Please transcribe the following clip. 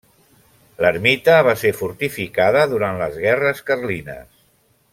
L'ermita va ser fortificada durant les Guerres Carlines.